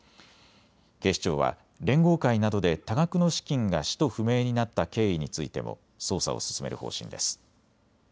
警視庁は連合会などで多額の資金が使途不明になった経緯についても捜査を進める方針です。